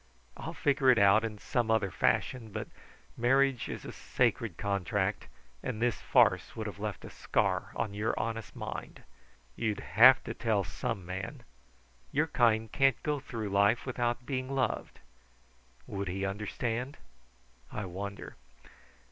I'll figure it out in some other fashion. But marriage is a sacred contract; and this farce would have left a scar on your honest mind. You'd have to tell some man. Your kind can't go through life without being loved. Would he understand? I wonder.